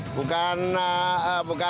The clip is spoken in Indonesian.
bukan kalangan islam gitu ya